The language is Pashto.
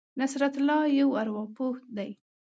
نصرت الله یو ارواپوه دی.